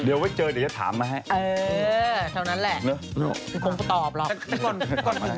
ด้วยของเหตุใต้เตียงดาราเนี่ย